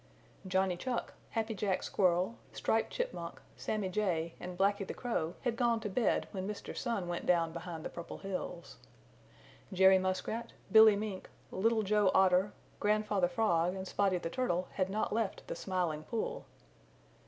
Johnny Chuck, Happy Jack Squirrel, Striped Chipmunk, Sammy Jay and Blacky the Crow had gone to bed when Mr. Sun went down behind the Purple Hills. Jerry Muskrat, Billy Mink, Little Joe Otter, Grandfather Frog and Spotty the Turtle had not left the Smiling Pool.